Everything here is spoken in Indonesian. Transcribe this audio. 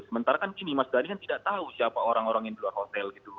sementara kan gini mas dhani kan tidak tahu siapa orang orang yang di luar hotel gitu